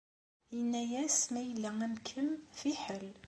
Yenna-yas ma yella am kemm, fiḥel.